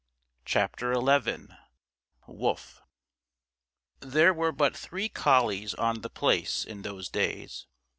CHAPTER XI WOLF There were but three collies on The Place in those days.